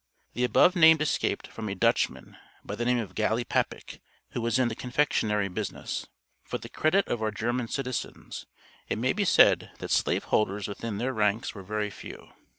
The above named escaped from a "Dutchman" by the name of Gallipappick, who was in the confectionery business. For the credit of our German citizens, it may be said, that slave holders within their ranks were very few.